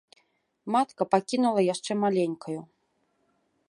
Матка пакінула яшчэ маленькаю.